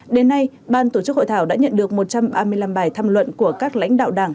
đến nay ban tổ chức hội thảo đã nhận được một trăm ba mươi năm bài thăm luận của các lãnh đạo đảng